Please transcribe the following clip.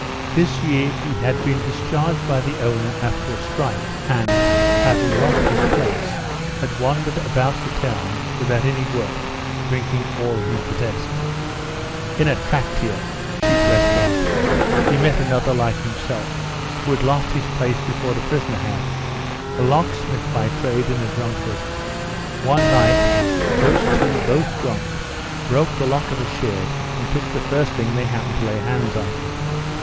This year he had been discharged by the owner after a strike, and, having lost his place, he wandered about the town without any work, drinking all he possessed. In a traktir [cheap restaurant] he met another like himself, who had lost his place before the prisoner had, a locksmith by trade and a drunkard. One night, those two, both drunk, broke the lock of a shed and took the first thing they happened to lay hands on.